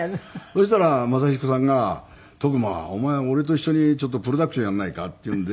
そしたら雅彦さんが「馬お前俺と一緒にちょっとプロダクションやらないか？」って言うんで。